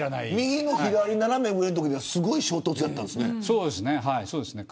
右の左斜め上すごい衝突だったんですね。